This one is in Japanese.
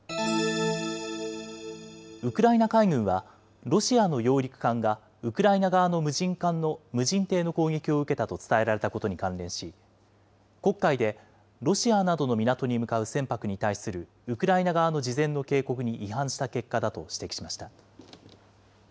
ウクライナ海軍は、ロシアの揚陸艦がウクライナ側の無人艇の攻撃を受けたと伝えられたことに関連し、黒海でロシアなどの港に向かう船舶に対するウクライナ側の事前の警告に違反した結果だと指摘しました。